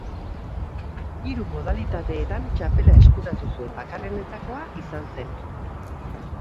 Hiru modalitateetan txapela eskuratu zuen bakarrenetakoa izan zen.